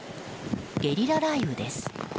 ゲリラ雷雨です。